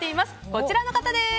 こちらの方です。